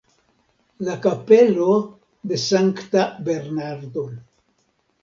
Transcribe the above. La kapelo de Sankta Bernardo.